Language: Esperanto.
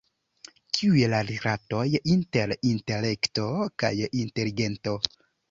Kiuj la rilatoj inter intelekto kaj inteligento?